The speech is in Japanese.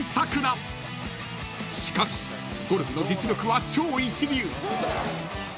［しかしゴルフの実力は超一流］